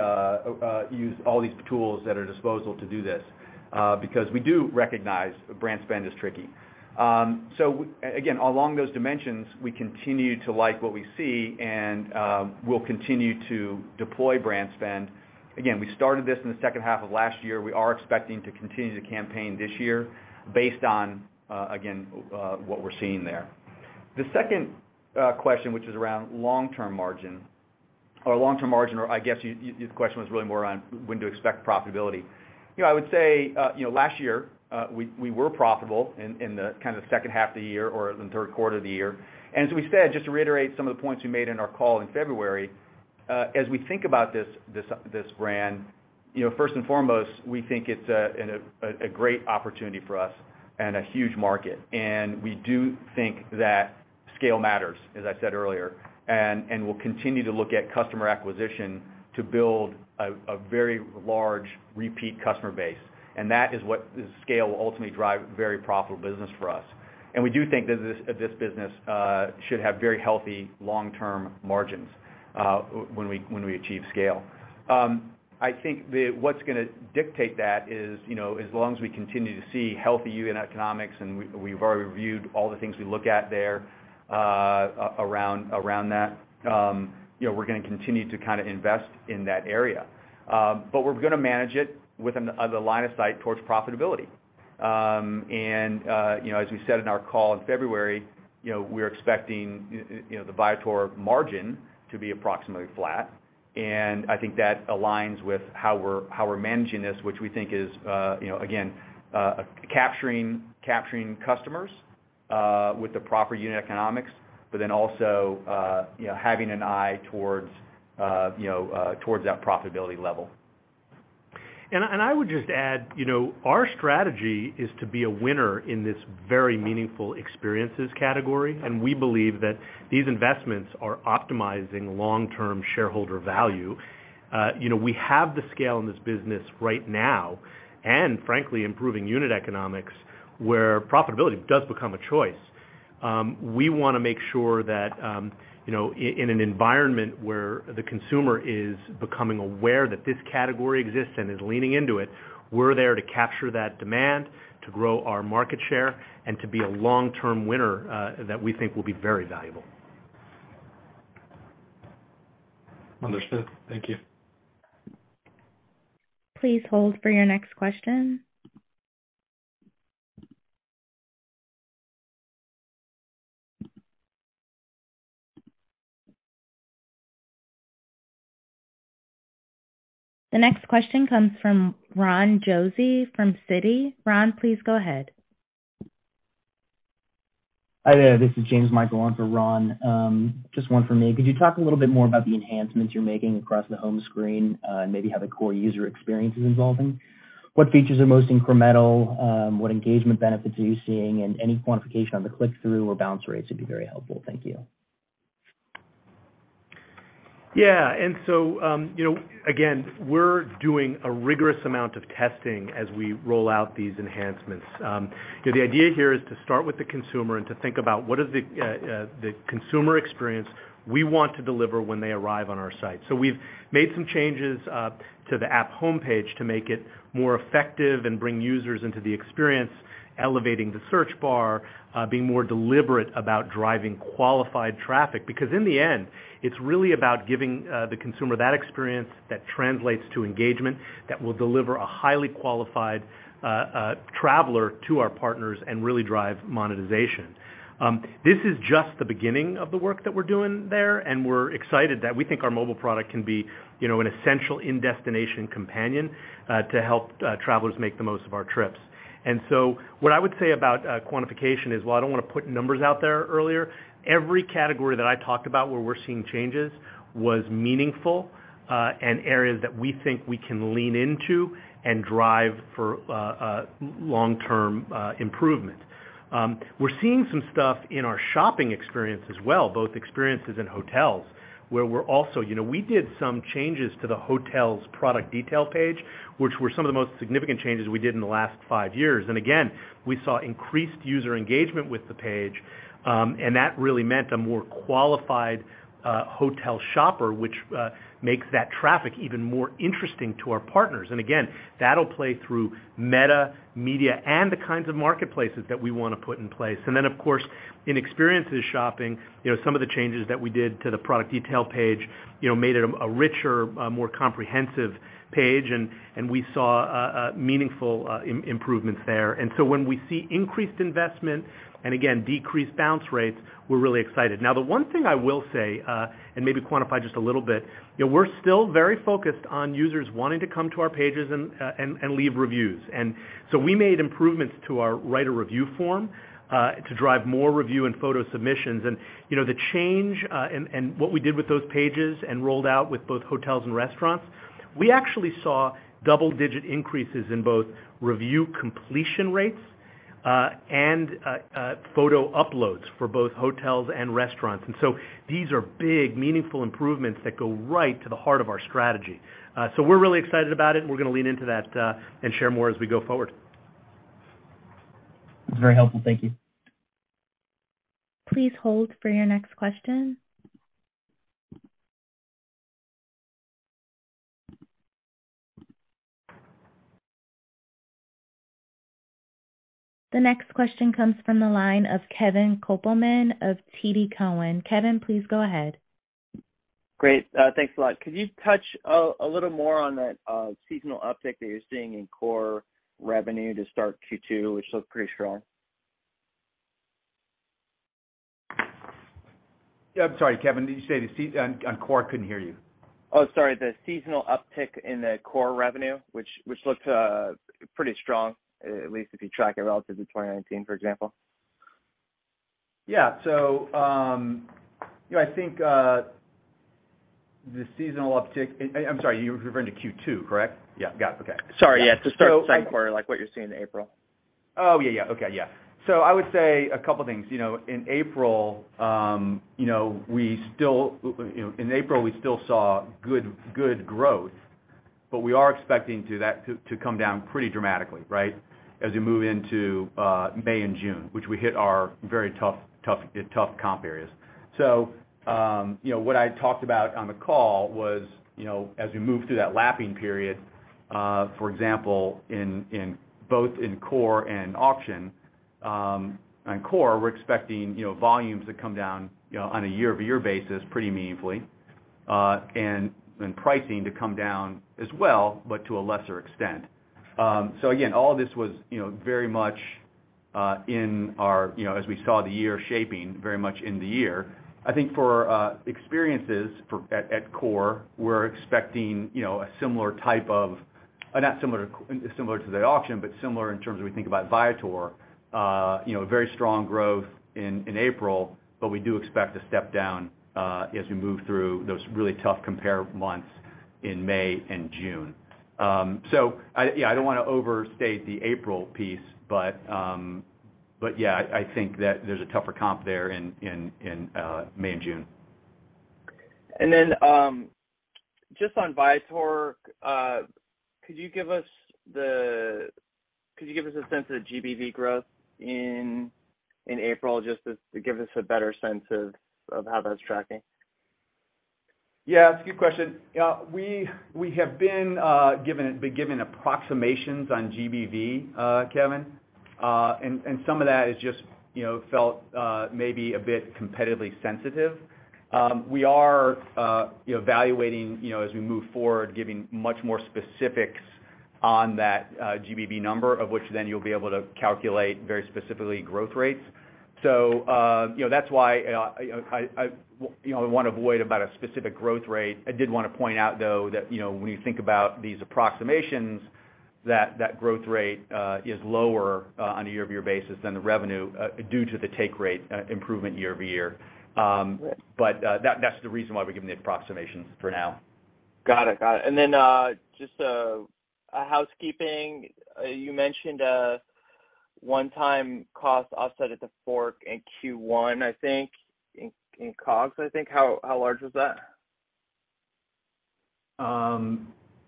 use all these tools at our disposal to do this, because we do recognize brand spend is tricky. Again, along those dimensions, we continue to like what we see, and, we'll continue to deploy brand spend. We started this in the second half of last year. We are expecting to continue the campaign this year based on, again, what we're seeing there. The second question, which is around long-term margin, or I guess your question was really more on when to expect profitability. You know, I would say, you know, last year, we were profitable in the kind of second half of the year or in the third quarter of the year. As we said, just to reiterate some of the points we made in our call in February, as we think about this brand, you know, first and foremost, we think it's a great opportunity for us and a huge market. We do think that scale matters, as I said earlier, and we'll continue to look at customer acquisition to build a very large repeat customer base. That is what the scale will ultimately drive very profitable business for us. We do think that this business should have very healthy long-term margins when we achieve scale. I think what's gonna dictate that is, you know, as long as we continue to see healthy unit economics, and we've already reviewed all the things we look at there, around that, you know, we're gonna continue to kind of invest in that area. We're gonna manage it with the line of sight towards profitability. You know, as we said in our call in February, you know, we're expecting, you know, the Viator margin to be approximately flat. I think that aligns with how we're managing this, which we think is, you know, again, capturing customers with the proper unit economics, also, you know, having an eye towards, you know, towards that profitability level. I would just add, you know, our strategy is to be a winner in this very meaningful experiences category, and we believe that these investments are optimizing long-term shareholder value. You know, we have the scale in this business right now and frankly, improving unit economics where profitability does become a choice. We wanna make sure that, you know, in an environment where the consumer is becoming aware that this category exists and is leaning into it, we're there to capture that demand, to grow our market share, and to be a long-term winner, that we think will be very valuable.
Understood. Thank you.
Please hold for your next question. The next question comes from Ronald Josey from Citi. Ron, please go ahead.
Hi there. This is Jamesmichael Sherman-Lewis on for Ron. Just one for me. Could you talk a little bit more about the enhancements you're making across the home screen, and maybe how the core user experience is evolving? What features are most incremental? What engagement benefits are you seeing? Any quantification on the click-through or bounce rates would be very helpful. Thank you.
Yeah. You know, again, we're doing a rigorous amount of testing as we roll out these enhancements. You know, the idea here is to start with the consumer and to think about what is the consumer experience we want to deliver when they arrive on our site. We've made some changes to the app homepage to make it more effective and bring users into the experience, elevating the search bar, being more deliberate about driving qualified traffic. In the end, it's really about giving the consumer that experience that translates to engagement that will deliver a highly qualified traveler to our partners and really drive monetization. This is just the beginning of the work that we're doing there, and we're excited that we think our mobile product can be, you know, an essential in-destination companion, to help travelers make the most of our trips. What I would say about quantification is while I don't wanna put numbers out there earlier, every category that I talked about where we're seeing changes was meaningful, and areas that we think we can lean into and drive for long-term improvement. We're seeing some stuff in our shopping experience as well, both experiences in hotels. You know, we did some changes to the hotel's product detail page, which were some of the most significant changes we did in the last five years. Again, we saw increased user engagement with the page, and that really meant a more qualified hotel shopper, which makes that traffic even more interesting to our partners. Again, that'll play through meta, media, and the kinds of marketplaces that we wanna put in place. Of course, in experiences shopping, you know, some of the changes that we did to the product detail page, you know, made it a richer, a more comprehensive page, and we saw a meaningful improvements there. When we see increased investment and again, decreased bounce rates, we're really excited. Now, the one thing I will say, and maybe quantify just a little bit, you know, we're still very focused on users wanting to come to our pages and leave reviews. We made improvements to our write a review form to drive more review and photo submissions. You know, the change, and what we did with those pages and rolled out with both hotels and restaurants, we actually saw double-digit increases in both review completion rates, and, photo uploads for both hotels and restaurants. These are big, meaningful improvements that go right to the heart of our strategy. We're really excited about it, and we're gonna lean into that, and share more as we go forward.
Very helpful. Thank you.
Please hold for your next question. The next question comes from the line of Kevin Kopelman of TD Cowen. Kevin, please go ahead.
Great. Thanks a lot. Could you touch a little more on that seasonal uptick that you're seeing in Core revenue to start Q2, which looked pretty strong?
Yeah. I'm sorry, Kevin. Did you say the on Core? Couldn't hear you.
Oh, sorry. The seasonal uptick in the core revenue, which looked pretty strong, at least if you track it relative to 2019, for example.
Yeah. you know, I think the seasonal uptick... I'm sorry, you're referring to Q2, correct? Yeah. Got it. Okay.
Sorry. Yeah.
Yeah.
To start second quarter, like what you're seeing in April?
Oh, yeah. Okay. Yeah. I would say a couple things. You know, in April, you know, we still, you know, in April, we still saw good growth, but we are expecting that to come down pretty dramatically, right? As we move into May and June, which we hit our very tough comp areas. What I talked about on the call was, you know, as we move through that lapping period, for example, in both in Core and auction, on Core, we're expecting, you know, volumes to come down, you know, on a year-over-year basis pretty meaningfully, and then pricing to come down as well, but to a lesser extent. Again, all this was, you know, very much in our, you know, as we saw the year shaping very much in the year. I think for experiences for, at Core, we're expecting, you know, a similar type of... not similar to the auction, but similar in terms we think about Viator, you know, very strong growth in April, but we do expect to step down as we move through those really tough compare months in May and June. I, yeah, I don't wanna overstate the April piece, but yeah, I think that there's a tougher comp there in May and June.
Just on Viator, could you give us a sense of the GBV growth in April, just to give us a better sense of how that's tracking?
Yeah, it's a good question. We have been given approximations on GBV, Kevin. Some of that is just, you know, felt maybe a bit competitively sensitive. We are, you know, evaluating, you know, as we move forward, giving much more specifics on that GBV number, of which then you'll be able to calculate very specifically growth rates. You know, that's why I, you know, we wanna avoid about a specific growth rate. I did wanna point out, though, that, you know, when you think about these approximations, that growth rate is lower on a year-over-year basis than the revenue due to the take rate improvement year over year. That's the reason why we're giving the approximations for now.
Got it. Got it. Just a housekeeping. You mentioned. One time cost offset at TheFork in Q1, I think, in COGS, I think. How, how large was that?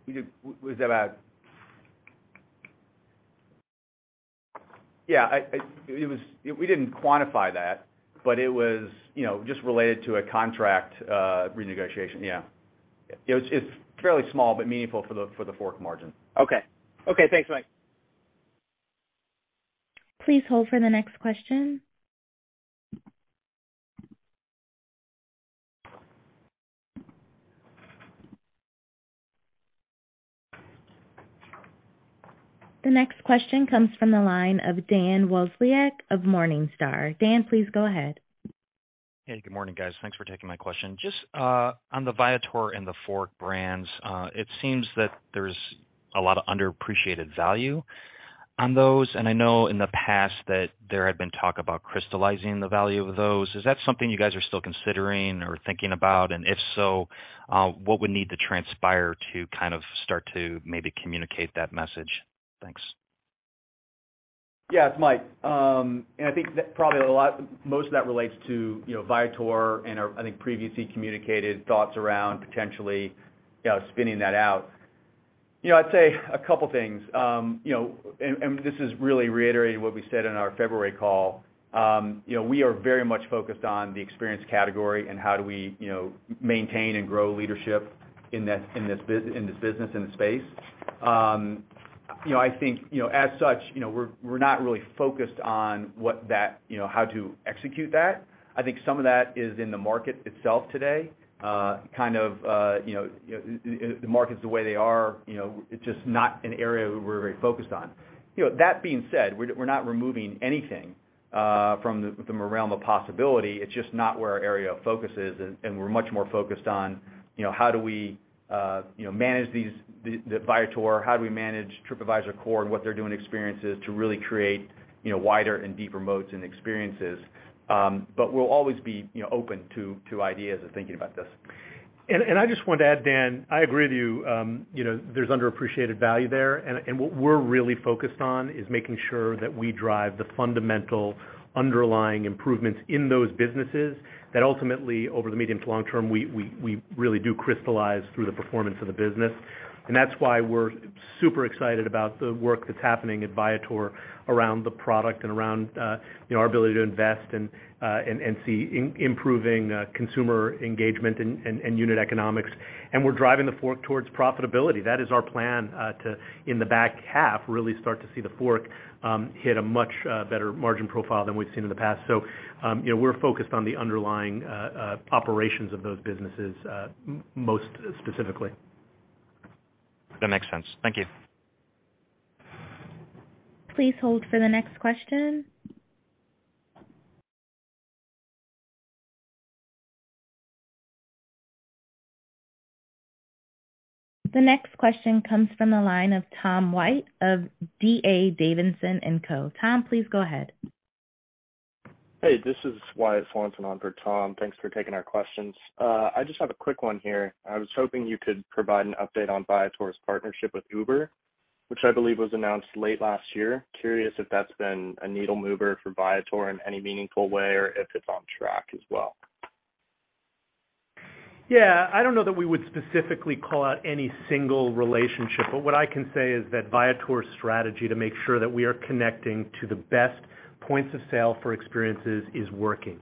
We didn't quantify that, but it was, you know, just related to a contract renegotiation. Yeah. It's fairly small but meaningful for the, for TheFork margin.
Okay. Okay. Thanks, Mike.
Please hold for the next question. The next question comes from the line of Dan Wasiolek of Morningstar. Dan, please go ahead.
Hey, good morning, guys. Thanks for taking my question. Just on the Viator and TheFork brands, it seems that there's a lot of underappreciated value on those, and I know in the past that there had been talk about crystallizing the value of those. Is that something you guys are still considering or thinking about? If so, what would need to transpire to kind of start to maybe communicate that message? Thanks.
It's Mike. I think that probably most of that relates to, you know, Viator and our, I think, previously communicated thoughts around potentially, you know, spinning that out. You know, I'd say a couple things. You know, this is really reiterating what we said in our February call. You know, we are very much focused on the experience category and how do we, you know, maintain and grow leadership in this business, in this space. You know, I think, you know, as such, you know, we're not really focused on what that, you know, how to execute that. I think some of that is in the market itself today, kind of, you know, the markets the way they are, you know, it's just not an area we're very focused on. You know, that being said, we're not removing anything, from the, from the realm of possibility. It's just not where our area of focus is, and we're much more focused on, you know, how do we, you know, manage the Viator, how do we manage TripAdvisor Core and what they're doing experiences to really create, you know, wider and deeper moats and experiences. We'll always be, you know, open to ideas of thinking about this. I just want to add, Dan, I agree with you. You know, there's underappreciated value there. What we're really focused on is making sure that we drive the fundamental underlying improvements in those businesses that ultimately, over the medium to long term, we really do crystallize through the performance of the business. That's why we're super excited about the work that's happening at Viator around the product and around, you know, our ability to invest and see improving consumer engagement and unit economics. We're driving TheFork towards profitability. That is our plan to, in the back half, really start to see TheFork hit a much better margin profile than we've seen in the past. You know, we're focused on the underlying operations of those businesses, most specifically.
That makes sense. Thank you.
Please hold for the next question. The next question comes from the line of Tom White of D.A. Davidson & Co. Tom, please go ahead.
Hey, this is Wyatt Swanson on for Tom. Thanks for taking our questions. I just have a quick one here. I was hoping you could provide an update on Viator's partnership with Uber, which I believe was announced late last year. Curious if that's been a needle mover for Viator in any meaningful way or if it's on track as well.
Yeah. I don't know that we would specifically call out any single relationship, but what I can say is that Viator's strategy to make sure that we are connecting to the best points of sale for experiences is working.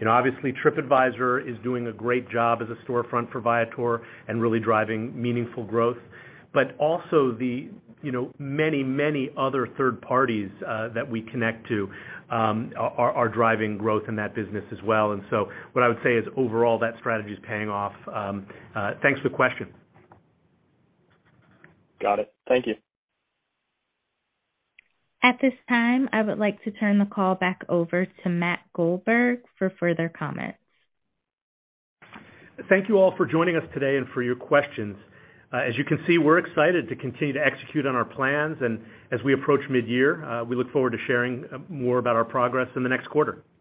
You know, obviously, TripAdvisor is doing a great job as a storefront for Viator and really driving meaningful growth. Also the, you know, many, many other third parties that we connect to, are driving growth in that business as well. What I would say is overall, that strategy is paying off. Thanks for the question.
Got it. Thank you.
At this time, I would like to turn the call back over to Matt Goldberg for further comments.
Thank you all for joining us today and for your questions. As you can see, we're excited to continue to execute on our plans. As we approach mid-year, we look forward to sharing more about our progress in the next quarter. Thank you.